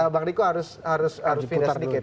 bang riku harus putar dikit